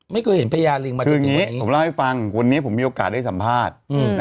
ไม่เคยเห็นพระยาริงมาเจออยู่คุณผมก็ให้ฟังวันนี้มีโอกาสได้สัมภาษณ์